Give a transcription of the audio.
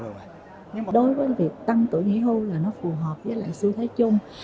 đối với việc tăng tuổi nghỉ hưu là nó phù hợp với lại xu thế chung